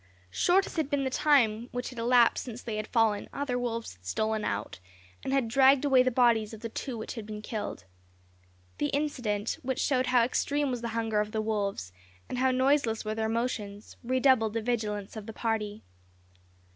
Short as had been the time which had elapsed since they had fallen, other wolves had stolen out, and had dragged away the bodies of the two which had been killed. This incident, which showed how extreme was the hunger of the wolves, and how noiseless were their motions, redoubled the vigilance of the party.